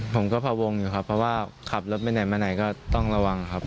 ผมก็พวงอยู่ครับเพราะว่าขับรถไปไหนมาไหนก็ต้องระวังครับ